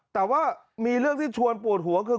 แต่ว่ามีเรื่องที่ชวนปวดหัวคือ